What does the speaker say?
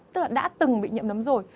tức là đã từng bị nhiễm nấm rồi